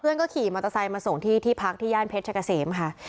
ขี่มอเตอร์ไซค์มาส่งที่ที่พักที่ย่านเพชรชะกะเสมค่ะ